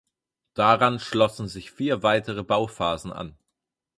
Daran schlossen sich vier weitere Bauphasen an.